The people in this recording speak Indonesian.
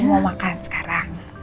oh enggak gue mau makan sekarang